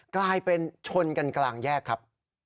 กลายเป็นชนกันกลางแยกครับ